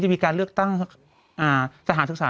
มีการเลือกตั้งสถานศึกษา